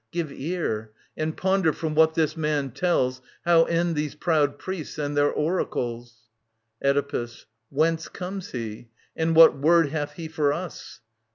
Give ear, and ponder from what this man tells How end these proud priests and their oracles. Oedipus. Whence comes he ? And what word hath he for us